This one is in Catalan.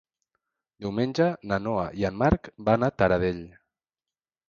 Diumenge na Noa i en Marc van a Taradell.